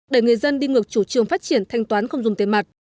để người dân đi ngược chủ trương phát triển thanh toán không dùng tiền mặt